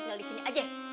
tinggal di sini aja